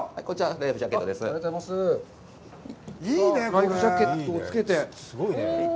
ライフジャケットを着けて。